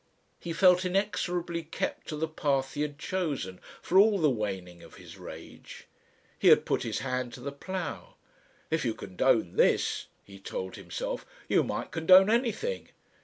He felt inexorably kept to the path he had chosen, for all the waning of his rage. He had put his hand to the plough. "If you condone this," he told himself, "you might condone anything.